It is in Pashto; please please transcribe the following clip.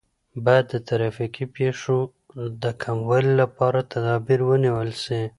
باید د ترافیکي پیښو د کموالي لپاره تدابیر ونیول سي.